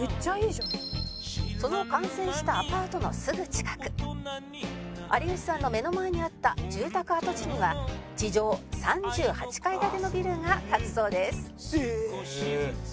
その完成したアパートのすぐ近く有吉さんの目の前にあった住宅跡地には地上３８階建てのビルが建つそうです